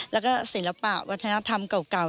แล้วก็ศิลปะวัฒนธรรมเก่า